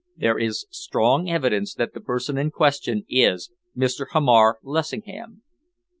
There is strong evidence that the person in question is Mr. Hamar Lessingham."